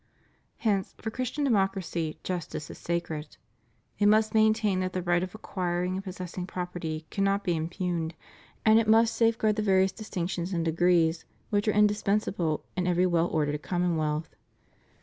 Hence, for Christian Democracy justice is sacred; it must maintain that the right of acquiring and possessing property cannot be impugned, and it must safeguard the various distinctions and degrees which are indispensable in every well ordered commonwealth.